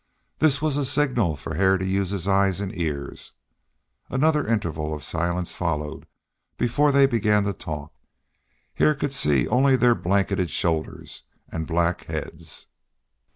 This was a signal for Hare to use his eyes and ears. Another interval of silence followed before they began to talk. Hare could see only their blanketed shoulders and black heads.